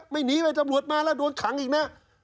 หนีไปตำรวจมาแล้วโดนขังอีกนะ